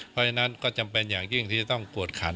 เพราะฉะนั้นก็จำเป็นอย่างยิ่งที่จะต้องกวดขัน